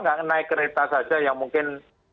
nggak naik kereta saja yang mungkin